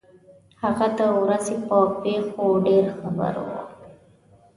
هغه د ورځې په پېښو ډېر خبر وو.